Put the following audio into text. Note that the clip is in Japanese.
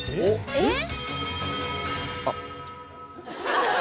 ・えっ？